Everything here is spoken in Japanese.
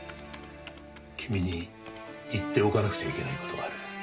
君に言っておかなくちゃいけない事がある。